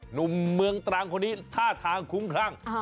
หนุ่มเมืองตรังคนนี้ท่าทางคุ้มคลั่ง